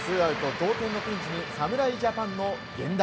同点のピンチに侍ジャパンの源田。